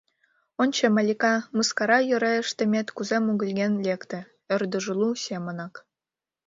— Ончо, Малика, мыскара йӧре ыштымет кузе мугыльген лекте, ӧрдыжлу семынак...